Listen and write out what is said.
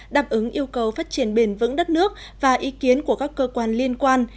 đáp ứng yêu cầu phát triển bền vững đất nước và ý kiến của các cơ quan liên quan